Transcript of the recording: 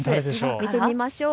見てみましょう。